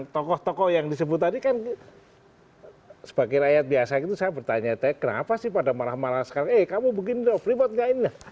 tokoh tokoh yang disebut tadi kan sebagai rakyat biasa gitu saya bertanya tanya kenapa sih pada marah marah sekarang eh kamu begini loh freeport gak ini